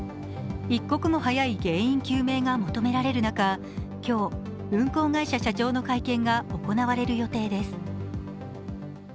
一刻も早い原因究明が求められる中、今日、運航会社社長の会見が行われる予定です。